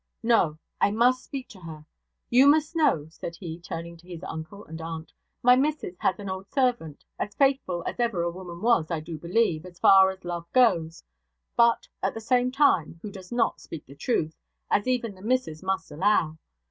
'No! I must speak to her. You must know,' said he, turning to his uncle and aunt, 'my missus has an old servant, as faithful as ever woman was, I do believe, as far as love goes, but at the same time, who does not speak truth, as even the missus must allow.